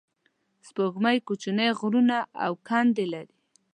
سپوږمۍ کوچنۍ غرونه او کندې لري